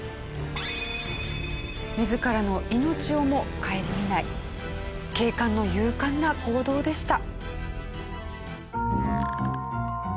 自らの命をも顧みない警官の勇敢な行動でした。